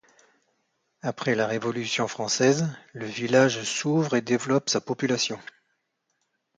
Après la Révolution Française, le village s’ouvre et développe sa population.